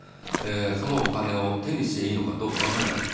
そのお金を手にしていいのかどうか分からない。